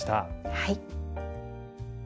はい。